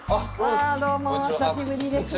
あどうもお久しぶりです。